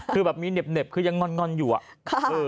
คือแบบมีเหน็บคือยังงอนอยู่อะ